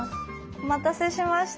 お待たせしました。